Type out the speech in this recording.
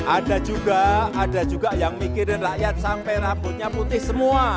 ada juga ada juga yang mikirin rakyat sampai rambutnya putih semua